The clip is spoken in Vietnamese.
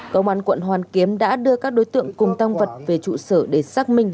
công an quận hoàn kiếm đã đưa các đối tượng cùng tăng vật về trụ sở để xác minh